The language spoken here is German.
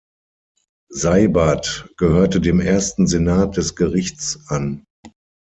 Seibert gehörte dem ersten Senat des Gerichts an.